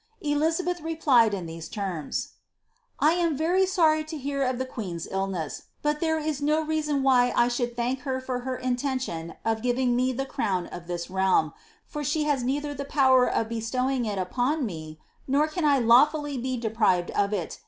□izabeth replied in these terms :—' 1 am very sorry to hear of the cueen''s illness, but there is no reason why I should thank her for her inieution of giving me the crown of this realm, for she has neither the power of bestowing it upon me, nor can I lawfully be deprived of it, p.